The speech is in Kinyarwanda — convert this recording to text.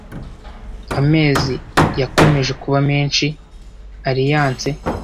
Amezi yakomeje kuba menshi Aliyanse